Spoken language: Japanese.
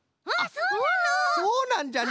そうなんじゃな！